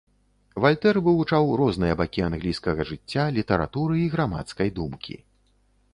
Вальтэр вывучаў розныя бакі англійскага жыцця, літаратуры і грамадскай думкі.